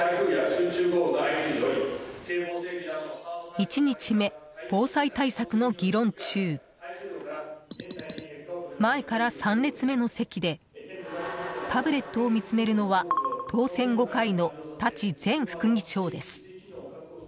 １日目、防災対策の議論中前から３列目の席でタブレットを見つめるのは当選５回の舘前副議長です。